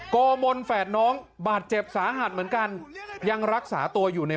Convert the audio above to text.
โกมนแฝดน้องบาดเจ็บสาหัสเหมือนกันยังรักษาตัวอยู่ใน